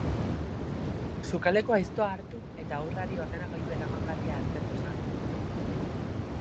Sukaldeko aiztoa hartu eta haurrari ordenagailu eramangarria hartzeko esan zion.